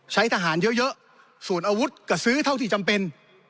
ใช้ทหารเยอะส่วนอาวุธก็ซื้อเท่าที่จำเป็น